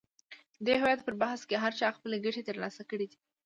د دې هویت پر بحث کې هر چا خپلې ګټې تر لاسه کړې دي.